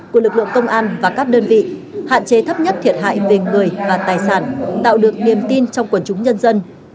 của lực lượng công an và các đơn vị hạn chế thấp nhất thiệt hại về người và tài sản tạo được niềm tin trong quần chúng nhân dân